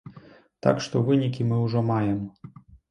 Так што вынікі мы ўжо маем.